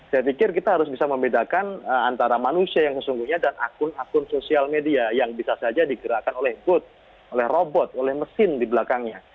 saya pikir kita harus bisa membedakan antara manusia yang sesungguhnya dan akun akun sosial media yang bisa saja digerakkan oleh bot oleh robot oleh mesin di belakangnya